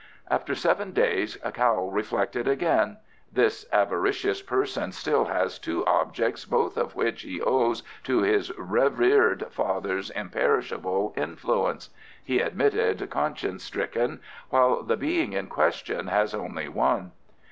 After seven days Kao reflected again. "This avaricious person still has two objects, both of which he owes to his revered father's imperishable influence," he admitted conscience stricken, "while the being in question has only one."